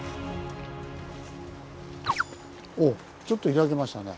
おっちょっと開けましたね。